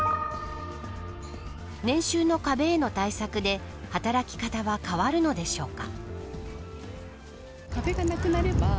年収の壁への対策で働き方は変わるのでしょうか。